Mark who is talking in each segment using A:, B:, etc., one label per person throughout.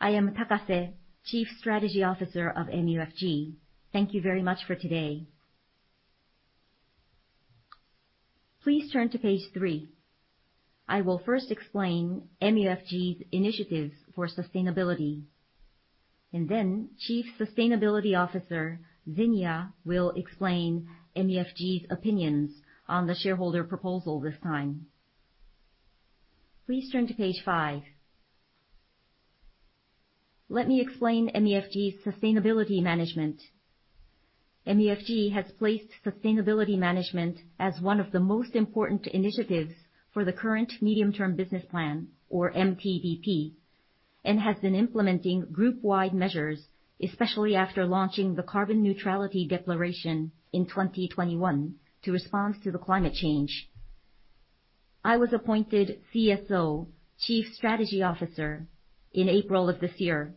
A: I am Takase, Chief Strategy Officer of MUFG. Thank you very much for today. Please turn to page 3. I will first explain MUFG's initiatives for sustainability, and then Chief Sustainability Officer Zeniya will explain MUFG's opinions on the shareholder proposal this time. Please turn to page 5. Let me explain MUFG's sustainability management. MUFG has placed sustainability management as one of the most important initiatives for the current medium-term business plan, or MTBP, and has been implementing group-wide measures, especially after launching the carbon neutrality declaration in 2021 to respond to climate change. I was appointed CSO, Chief Strategy Officer, in April of this year,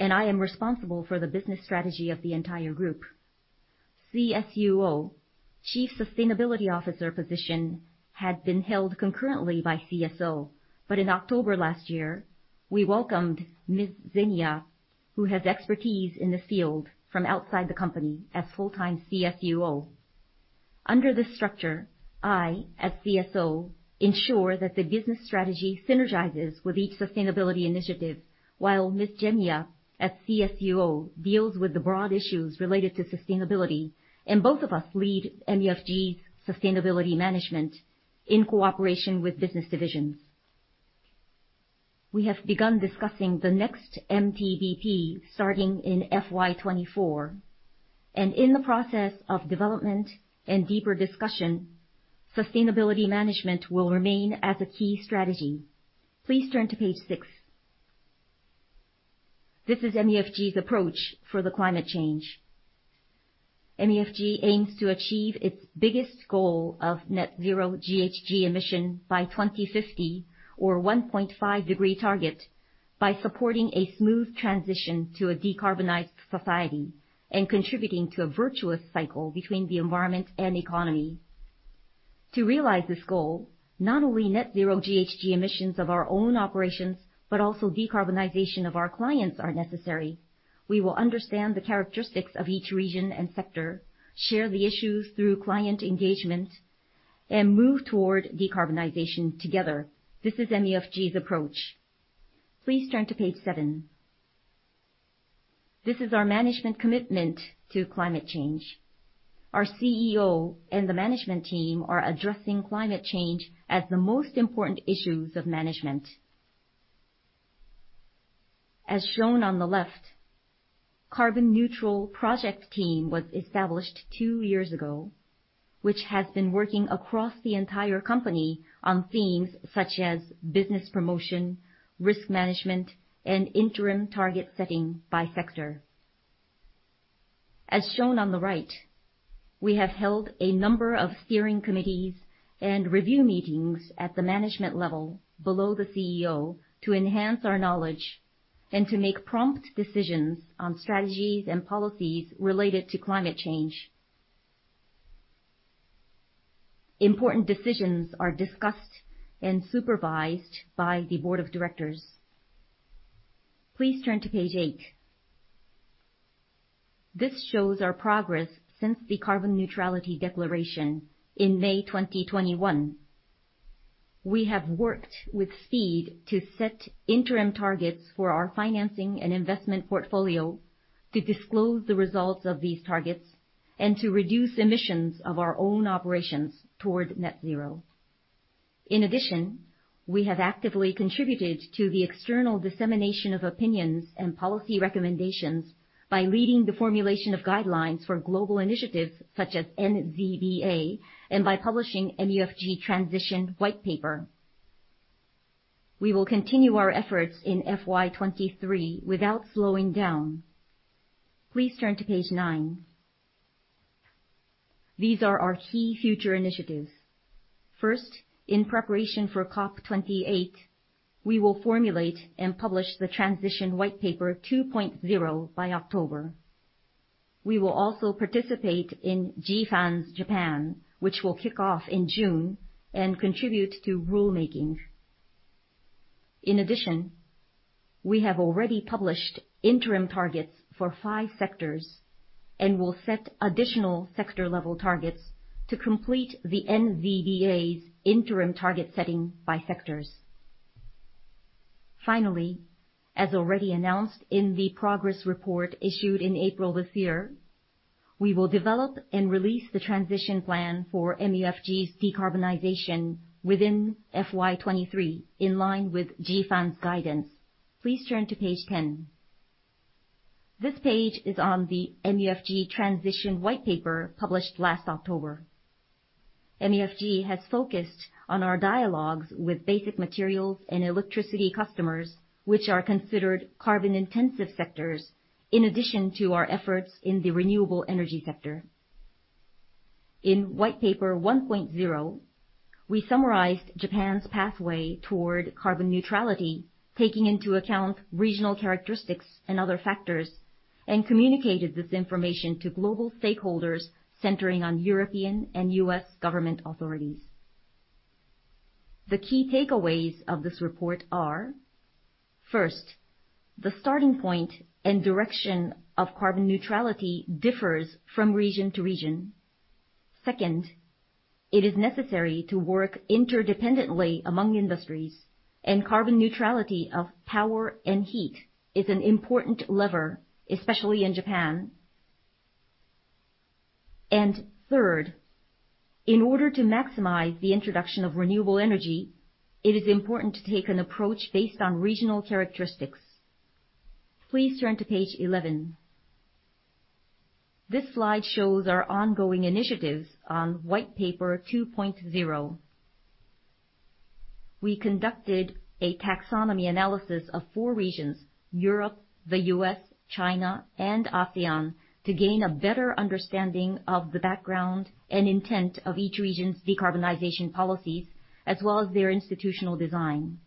A: and I am responsible for the business strategy of the entire group. CSUO, Chief Sustainability Officer position, had been held concurrently by CSO, but in October last year, we welcomed Ms. Zeniya, who has expertise in the field from outside the company as full-time CSUO. Under this structure, I, as CSO, ensure that the business strategy synergizes with each sustainability initiative, while Ms. Zeniya, as CSuO, deals with the broad issues related to sustainability. Both of us lead MUFG's sustainability management in cooperation with business divisions. We have begun discussing the next MTBP starting in FY24, and in the process of development and deeper discussion, sustainability management will remain as a key strategy. Please turn to page 6. This is MUFG's approach for climate change. MUFG aims to achieve its biggest goal of net zero GHG emissions by 2050 or the 1.5 °C target by supporting a smooth transition to a decarbonized society and contributing to a virtuous cycle between the environment and economy. To realize this goal, not only net zero GHG emissions of our own operations, but also the decarbonization of our clients are necessary. We will understand the characteristics of each region and sector, share the issues through client engagement, and move toward decarbonization together. This is MUFG's approach. Please turn to page seven. This is our management commitment to climate change. Our CEO and the management team are addressing climate change as the most important issues of management. As shown on the left, carbon-neutral project team was established two years ago, which has been working across the entire company on themes such as business promotion, risk management, and interim target setting by sector. As shown on the right, we have held a number of steering committees and review meetings at the management level below the CEO to enhance our knowledge and to make prompt decisions on strategies and policies related to climate change. Important decisions are discussed and supervised by the board of directors. Please turn to page 8. This shows our progress since the carbon neutrality declaration in May 2021. We have worked with speed to set interim targets for our financing and investment portfolio to disclose the results of these targets and to reduce emissions of our own operations toward net zero. In addition, we have actively contributed to the external dissemination of opinions and policy recommendations by leading the formulation of guidelines for global initiatives such as NZBA and by publishing the MUFG Transition Whitepaper. We will continue our efforts in FY23 without slowing down. Please turn to page 9. These are our key future initiatives. In preparation for COP28, we will formulate and publish the Transition Whitepaper 2.0 by October. We will also participate in GFANZ's Japan, which will kick off in June and contribute to rulemaking. We have already published interim targets for 5 sectors and will set additional sector-level targets to complete the NZBA's interim target setting by sectors. As already announced in the progress report issued in April this year, we will develop and release the transition plan for MUFG's decarbonization within FY23 in line with GFANZ's guidance. Please turn to page 10. This page is on the MUFG Transition Whitepaper published last October. MUFG has focused on our dialogues with basic materials and electricity customers, which are considered carbon-intensive sectors, in addition to our efforts in the renewable energy sector. In Whitepaper 1.0, we summarized Japan's pathway toward carbon neutrality, taking into account regional characteristics and other factors. Communicated this information to global stakeholders centering on European and U.S. government authorities. The key takeaways of this report are, first, the starting point and direction of carbon neutrality differs from region to region. Second, it is necessary to work interdependently among industries, and carbon neutrality of power and heat is an important lever, especially in Japan. Third, in order to maximize the introduction of renewable energy, it is important to take an approach based on regional characteristics. Please turn to page 11. This slide shows our ongoing initiatives on Whitepaper 2.0. We conducted a taxonomy analysis of four regions, Europe, the U.S., China, and ASEAN, to gain a better understanding of the background and intent of each region's decarbonization policies, as well as their institutional design.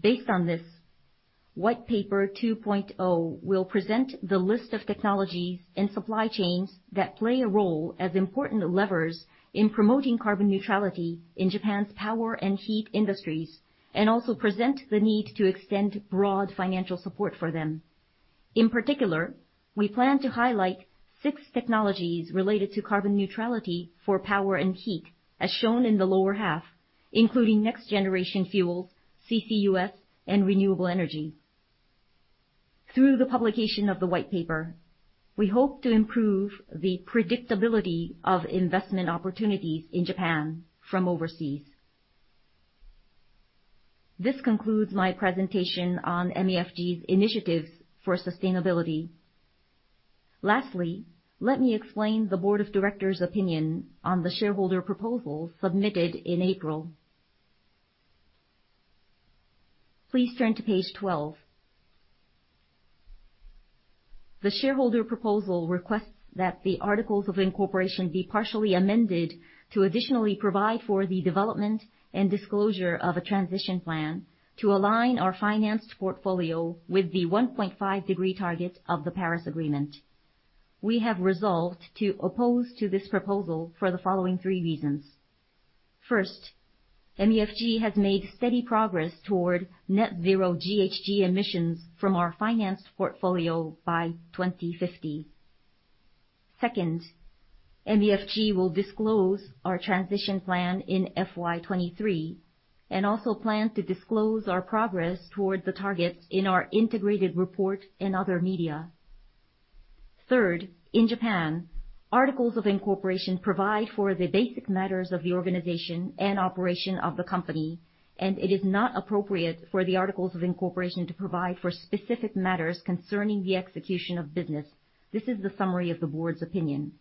A: Based on this, Whitepaper 2.0 will present the list of technologies and supply chains that play a role as important levers in promoting carbon neutrality in Japan's power and heat industries, and also present the need to extend broad financial support for them. In particular, we plan to highlight six technologies related to carbon neutrality for power and heat, as shown in the lower half, including next-generation fuels, CCUS and renewable energy. Through the publication of the Whitepaper, we hope to improve the predictability of investment opportunities in Japan from overseas. This concludes my presentation on MUFG's initiatives for sustainability. Lastly, let me explain the board of directors opinion on the shareholder proposal submitted in April. Please turn to page 12. The shareholder proposal requests that the articles of incorporation be partially amended to additionally provide for the development and disclosure of a transition plan to align our financed portfolio with the 1.5 °C target of the Paris Agreement. We have resolved to oppose to this proposal for the following three reasons. First, MUFG has made steady progress toward net zero GHG emissions from our financed portfolio by 2050. Second, MUFG will disclose our transition plan in FY23, and also plan to disclose our progress toward the targets in our integrated report in other media. Third, in Japan, articles of incorporation provide for the basic matters of the organization and operation of the company, and it is not appropriate for the articles of incorporation to provide for specific matters concerning the execution of business. This is the summary of the board's opinion.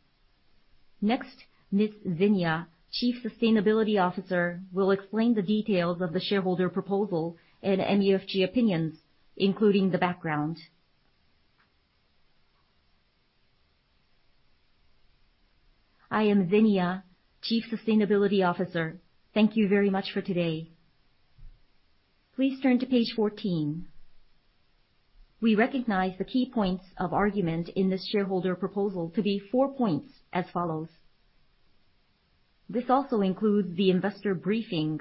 A: Ms. Zeniya, Chief Sustainability Officer, will explain the details of the shareholder proposal and MUFG opinions, including the background.
B: I am Zeniya, Chief Sustainability Officer. Thank you very much for today. Please turn to page 14. We recognize the key points of argument in this shareholder proposal to be 4 points as follows. This also includes the investor briefing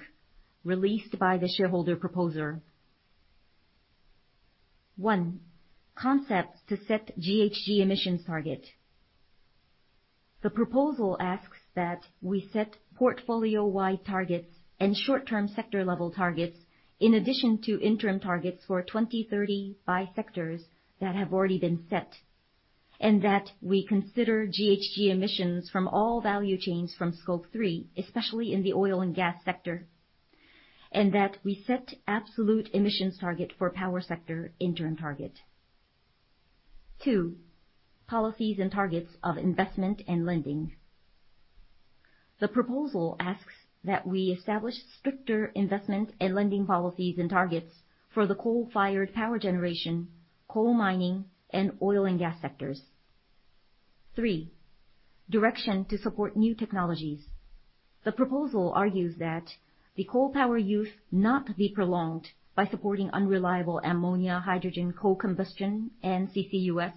B: released by the shareholder proposer. 1. Concepts to set the GHG emissions target. The proposal asks that we set portfolio-wide targets and short-term sector level targets in addition to interim targets for 2030 by sectors that have already been set, and that we consider GHG emissions from all value chains from Scope 3, especially in the oil and gas sector, and that we set absolute emissions target for power sector interim target. 2. Policies and targets of investment and lending. The proposal asks that we establish stricter investment and lending policies and targets for the coal-fired power generation, coal mining, and oil and gas sectors. 3. Direction to support new technologies. The proposal argues that the coal power use not be prolonged by supporting unreliable ammonia, hydrogen, coal combustion and CCUS,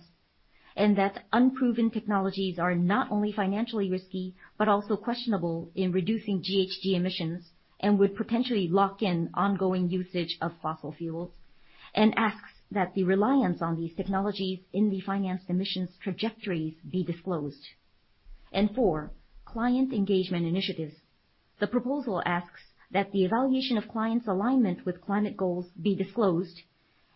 B: and that unproven technologies are not only financially risky, but also questionable in reducing GHG emissions and would potentially lock in ongoing usage of fossil fuels, and asks that the reliance on these technologies in the financed emissions trajectories be disclosed. 4, client engagement initiatives. The proposal asks that the evaluation of clients' alignment with climate goals be disclosed,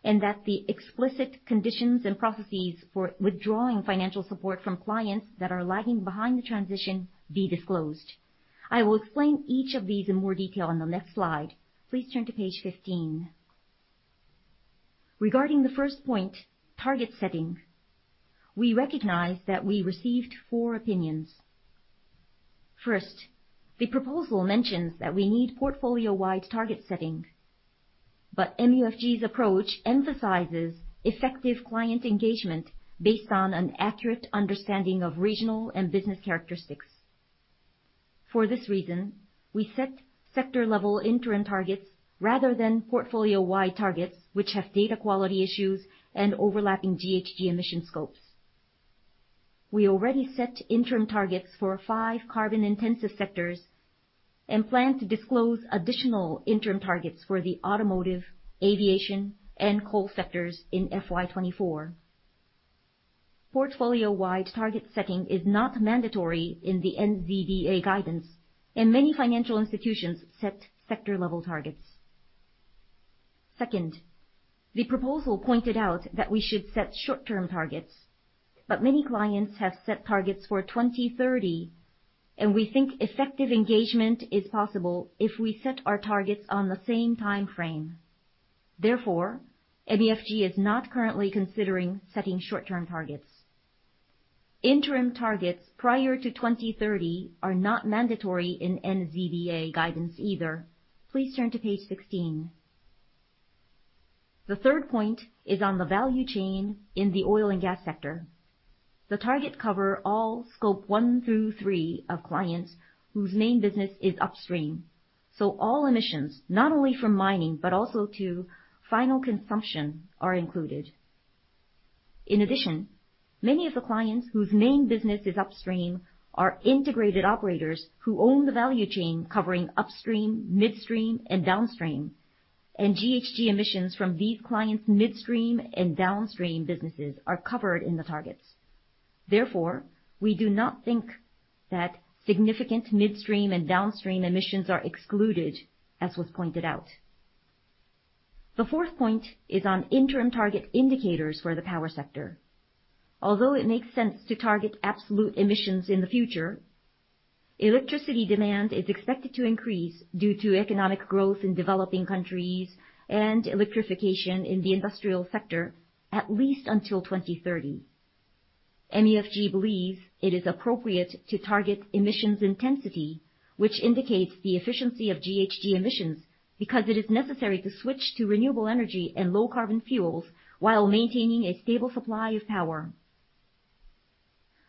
B: and that the explicit conditions and processes for withdrawing financial support from clients that are lagging behind the transition be disclosed. I will explain each of these in more detail on the next slide. Please turn to page 15. Regarding the first point, target setting, we recognize that we received 4 opinions. First, the proposal mentions that we need portfolio-wide target setting, but MUFG's approach emphasizes effective client engagement based on an accurate understanding of regional and business characteristics. For this reason, we set sector-level interim targets rather than portfolio-wide targets, which have data quality issues and overlapping GHG emissions scopes. We already set interim targets for five carbon-intensive sectors and plan to disclose additional interim targets for the automotive, aviation, and coal sectors in FY24. Portfolio-wide target setting is not mandatory in the NZBA guidance, and many financial institutions set sector-level targets. Second, the proposal pointed out that we should set short-term targets, but many clients have set targets for 2030, and we think effective engagement is possible if we set our targets on the same time frame. Therefore, MUFG is not currently considering setting short-term targets. Interim targets prior to 2030 are not mandatory in NZBA guidance either. Please turn to page 16. The third point is on the value chain in the oil and gas sector. The target cover all Scope 1 through 3 of clients whose main business is upstream. All emissions, not only from mining but also to final consumption, are included. In addition, many of the clients whose main business is upstream are integrated operators who own the value chain covering upstream, midstream, and downstream. GHG emissions from these clients' midstream and downstream businesses are covered in the targets. Therefore, we do not think that significant midstream and downstream emissions are excluded as was pointed out. The fourth point is on interim target indicators for the power sector. Although it makes sense to target absolute emissions in the future, electricity demand is expected to increase due to economic growth in developing countries and electrification in the industrial sector at least until 2030. MUFG believes it is appropriate to target emissions intensity, which indicates the efficiency of GHG emissions because it is necessary to switch to renewable energy and low-carbon fuels while maintaining a stable supply of power.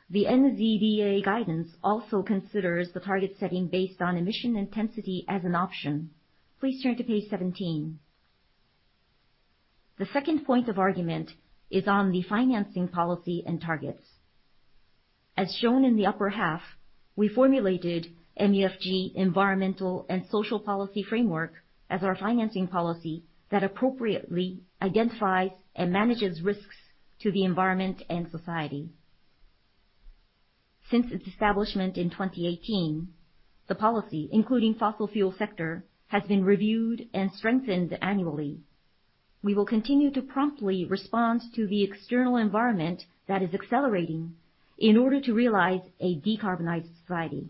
B: The NZBA guidance also considers the target setting based on emission intensity as an option. Please turn to page 17. The second point of argument is on the financing policy and targets. As shown in the upper half, we formulated MUFG Environmental and Social Policy Framework as our financing policy that appropriately identifies and manages risks to the environment and society. Since its establishment in 2018, the policy, including fossil fuel sector, has been reviewed and strengthened annually. We will continue to promptly respond to the external environment that is accelerating in order to realize a decarbonized society.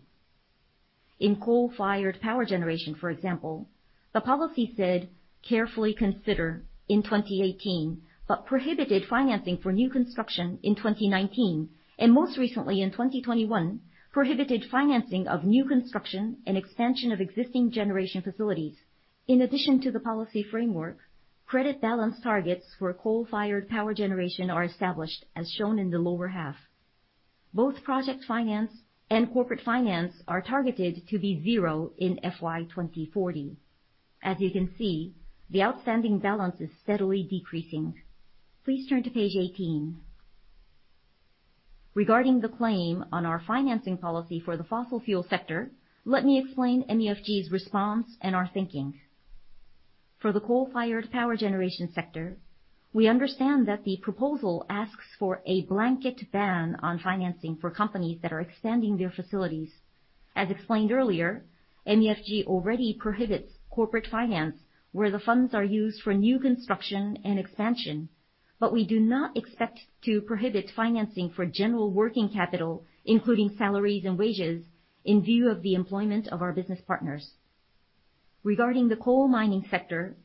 B: In coal-fired power generation, for example, the policy said carefully consider in 2018, but prohibited financing for new construction in 2019, and most recently in 2021, prohibited financing of new construction and expansion of existing generation facilities. In addition to the policy framework, credit balance targets for coal-fired power generation are established as shown in the lower half. Both project finance and corporate finance are targeted to be zero in FY40. As you can see, the outstanding balance is steadily decreasing. Please turn to page 18. Regarding the claim on our financing policy for the fossil fuel sector, let me explain MUFG's response and our thinking. For the coal-fired power generation sector, we understand that the proposal asks for a blanket ban on financing for companies that are expanding their facilities. As explained earlier, MUFG already prohibits corporate finance, where the funds are used for new construction and expansion. We do not expect to prohibit financing for general working capital, including salaries and wages, in view of the employment of our business partners. Regarding the coal mining sector,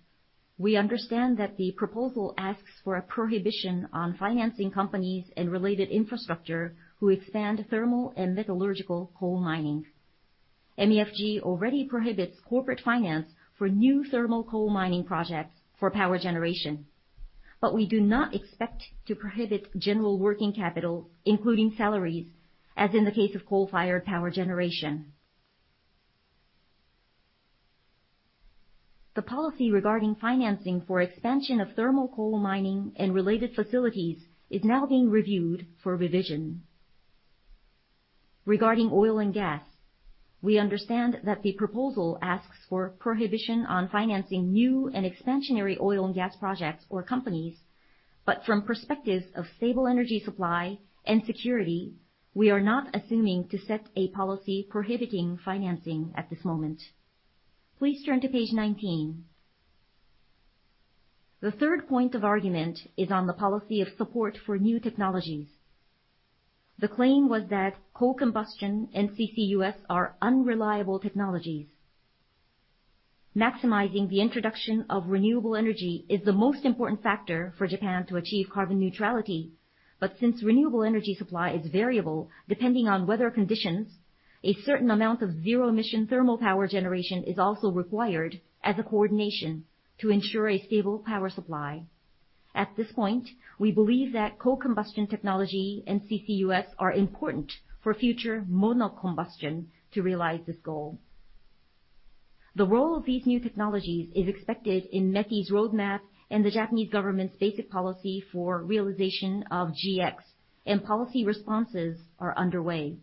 B: we understand that the proposal asks for a prohibition on financing companies and related infrastructure that expand thermal and metallurgical coal mining. MUFG already prohibits corporate finance for new thermal coal mining projects for power generation. We do not expect to prohibit general working capital, including salaries, as in the case of coal-fired power generation. The policy regarding financing for expansion of thermal coal mining and related facilities is now being reviewed for revision. Regarding oil and gas, we understand that the proposal asks for prohibition on financing new and expansionary oil and gas projects or companies. From perspectives of stable energy supply and security, we are not assuming to set a policy prohibiting financing at this moment. Please turn to page 19. The third point of argument is on the policy of support for new technologies. The claim was that coal combustion and CCUS are unreliable technologies. Maximizing the introduction of renewable energy is the most important factor for Japan to achieve carbon neutrality. Since renewable energy supply is variable depending on weather conditions, a certain amount of zero-emission thermal power generation is also required as a coordination to ensure a stable power supply. At this point, we believe that co-combustion technology and CCUS are important for future mono-combustion to realize this goal. The role of these new technologies is expected in METI's roadmap and the Japanese government's basic policy for realization of GX. Policy responses are underway.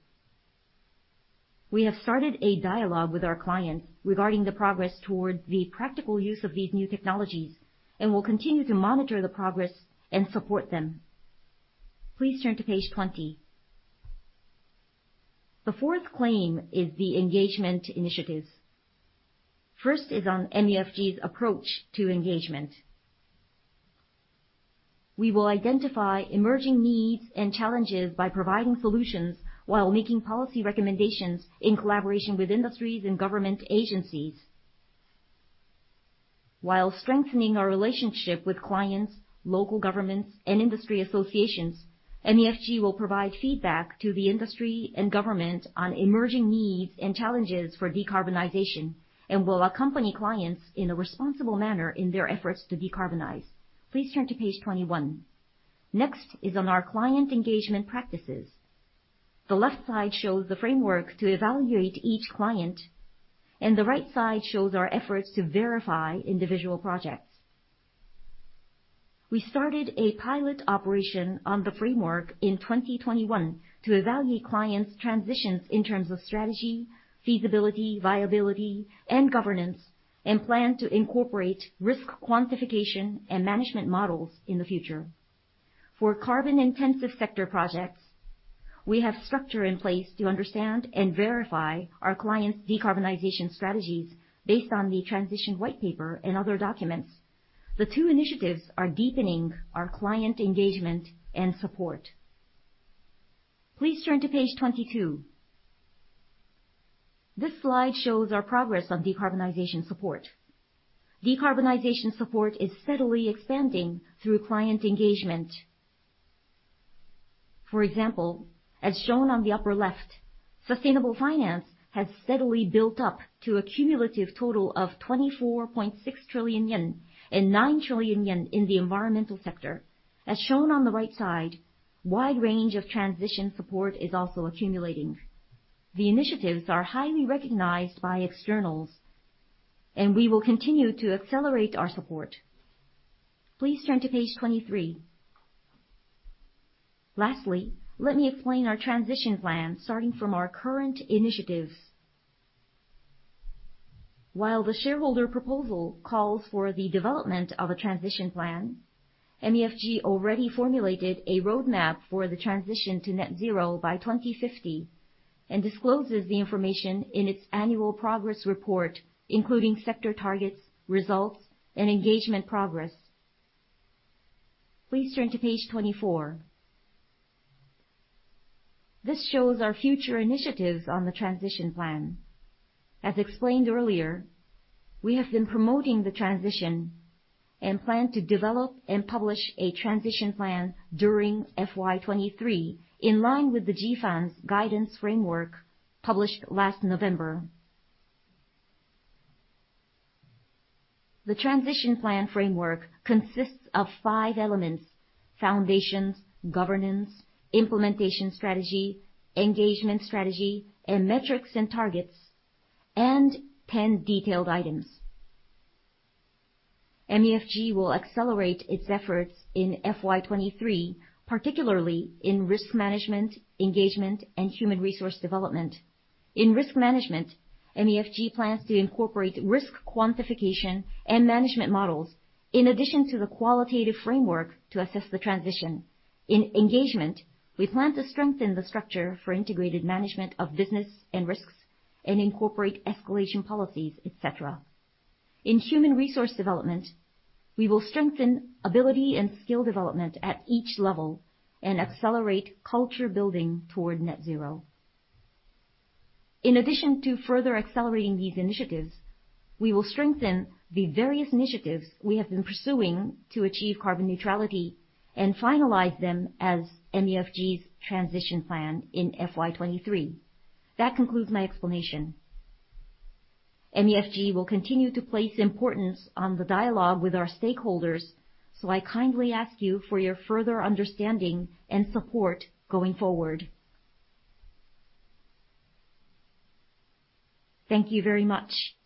B: We have started a dialogue with our clients regarding the progress towards the practical use of these new technologies. We'll continue to monitor the progress and support them. Please turn to page 20. The fourth claim is the engagement initiatives. First is on MUFG's approach to engagement. We will identify emerging needs and challenges by providing solutions while making policy recommendations in collaboration with industries and government agencies. While strengthening our relationship with clients, local governments, and industry associations, MUFG will provide feedback to the industry and government on emerging needs and challenges for decarbonization, and will accompany clients in a responsible manner in their efforts to decarbonize. Please turn to page 21. Next is on our client engagement practices. The left side shows the framework to evaluate each client, and the right side shows our efforts to verify individual projects. We started a pilot operation on the framework in 2021 to evaluate clients' transitions in terms of strategy, feasibility, viability, and governance, and plan to incorporate risk quantification and management models in the future. For carbon-intensive sector projects, we have structure in place to understand and verify our clients' decarbonization strategies based on the MUFG Transition Whitepaper and other documents. The two initiatives are deepening our client engagement and support. Please turn to page 22. This slide shows our progress on decarbonization support. Decarbonization support is steadily expanding through client engagement. For example, as shown on the upper left, sustainable finance has steadily built up to a cumulative total of 24.6 trillion yen and 9 trillion yen in the environmental sector. As shown on the right side, wide range of transition support is also accumulating. The initiatives are highly recognized by externals, and we will continue to accelerate our support. Please turn to page 23. Lastly, let me explain our transition plan, starting from our current initiatives. While the shareholder proposal calls for the development of a transition plan, MUFG already formulated a roadmap for the transition to net zero by 2050, and discloses the information in its annual progress report, including sector targets, results, and engagement progress. Please turn to page 24. This shows our future initiatives on the transition plan. As explained earlier, we have been promoting the transition and plan to develop and publish a transition plan during FY23, in line with GFANZ's guidance framework published last November. The transition plan framework consists of five elements: foundations, governance, implementation strategy, engagement strategy, and metrics and targets, and 10 detailed items. MUFG will accelerate its efforts in FY23, particularly in risk management, engagement, and human resource development. In risk management, MUFG plans to incorporate risk quantification and management models in addition to the qualitative framework to assess the transition. In engagement, we plan to strengthen the structure for integrated management of business and risks and incorporate escalation policies, et cetera. In human resource development, we will strengthen ability and skill development at each level and accelerate culture building toward net zero. In addition to further accelerating these initiatives, we will strengthen the various initiatives we have been pursuing to achieve carbon neutrality and finalize them as MUFG's transition plan in FY23. That concludes my explanation. MUFG will continue to place importance on the dialogue with our stakeholders, so I kindly ask you for your further understanding and support going forward.
C: Thank you very much.